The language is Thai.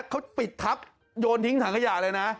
เขาปิดทับโยนทิ้งถังขยะเลยนะ